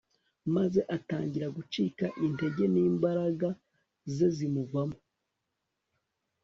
maze atangira gucika intege n'imbaraga ze zimuvamo